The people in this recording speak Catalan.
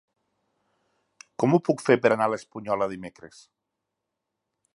Com ho puc fer per anar a l'Espunyola dimecres?